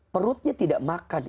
perutnya tidak makan